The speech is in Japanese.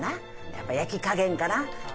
やっぱ焼き加減かな？